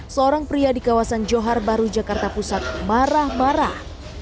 seorang pria di kawasan johar baru jakarta pusat marah marah